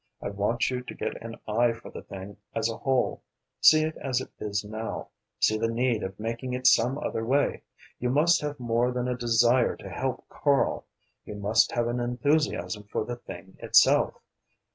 I want you to get an eye for the thing as a whole: see it as it is now, see the need of making it some other way. You must have more than a desire to help Karl you must have an enthusiasm for the thing itself.